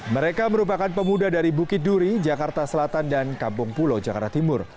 mereka merupakan pemuda dari bukit duri jakarta selatan dan kampung pulau jakarta timur